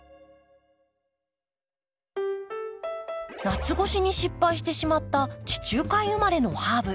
夏越しに失敗してしまった地中海生まれのハーブ。